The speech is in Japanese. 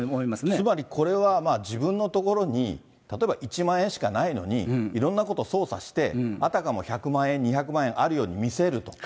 つまり、これは自分のところに例えば１万円しかないのに、いろんなこと操作して、あたかも１００万円、２００万円あるように見せると。